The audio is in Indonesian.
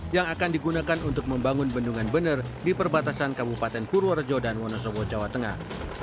yang akan digunakan untuk membangun bendungan bener di perbatasan kabupaten purworejo dan wonosobo jawa tengah